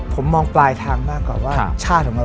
ผมมองปลายทางมากกว่าว่าชาติของเรา